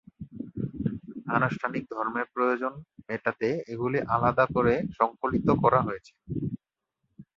আনুষ্ঠানিক ধর্মের প্রয়োজন মেটাতে এগুলি আলাদা করে সংকলিত করা হয়েছে।